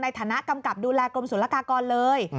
ในฐานะกำกับดูแลกรมศุลกากรเลย